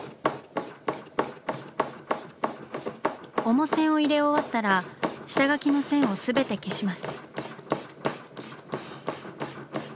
主線を入れ終わったら下描きの線を全て消します。